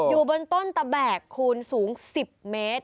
อยู่บนต้นตะแบกคูณสูง๑๐เมตร